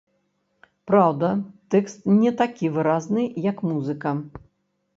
Праўда, тэкст не такі выразны, як музыка.